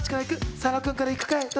佐野君から行くかい？